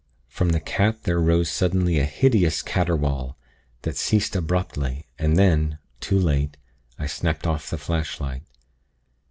From the cat there rose suddenly a hideous caterwaul, that ceased abruptly; and then too late I snapped off the flashlight.